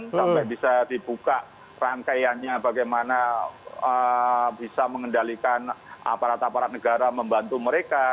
sampai bisa dibuka rangkaiannya bagaimana bisa mengendalikan aparat aparat negara membantu mereka